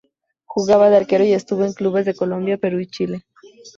Jugaba de arquero y estuvo en clubes de Colombia, Perú y Chile.